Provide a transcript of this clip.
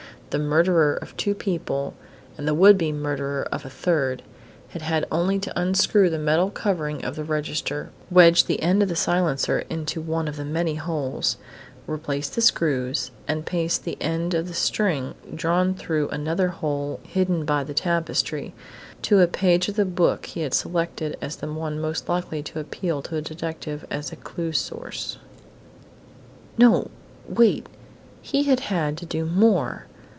The murderer of two people and the would be murderer of a third had had only to unscrew the metal covering of the register, wedge the end of the silencer into one of the many holes, replace the screws, and paste the end of the string, drawn through another hole hidden by the tapestry, to a page of the book he had selected as the one most likely to appeal to a detective as a clue source.... No, wait! He had had to do more!